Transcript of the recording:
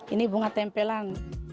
ini bunga tempelan